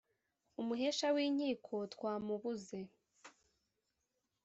umuhesha w’inkiko twamubuze